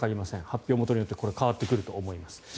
発表元によって変わってくると思います。